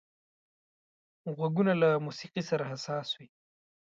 غوږونه له موسيقي سره حساس وي